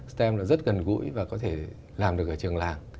stem là rất gần gũi và có thể làm được ở trường làng